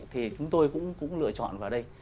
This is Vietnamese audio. thì chúng tôi cũng lựa chọn vào đây